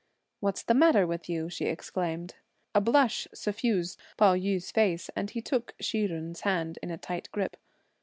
"What's the matter with you?" she exclaimed. A blush suffused Pao yü's face, and he took Hsi Jen's hand in a tight grip.